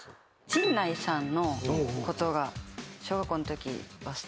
陣内さんのことが小学校のときは好きでした。